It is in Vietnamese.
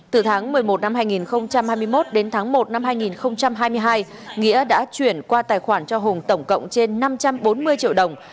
từ tháng một mươi một năm hai nghìn hai mươi một đến tháng một năm hai nghìn hai mươi hai nghĩa đã chuyển qua tài khoản cho hùng tổng cộng trên năm trăm bốn mươi triệu đồng